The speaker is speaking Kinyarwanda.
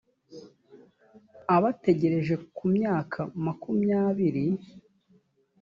abatagejeje ku myaka makumyabiri